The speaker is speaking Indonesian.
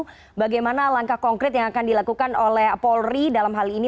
kita nanti tunggu bagaimana langkah langkah konkret yang akan dilakukan oleh polri dalam hal ini